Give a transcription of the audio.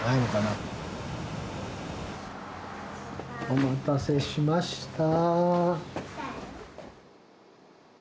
お待たせしました。